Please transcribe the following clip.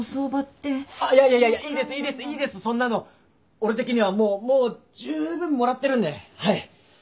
俺的にはもうもうじゅうぶんもらってるんではい。